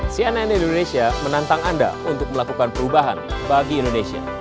cnn indonesia menantang anda untuk melakukan perubahan bagi indonesia